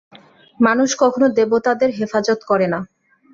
মানুষ কখনও দেবতাদের হেফাজত করে না।